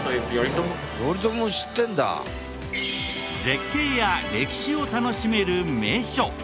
絶景や歴史を楽しめる名所。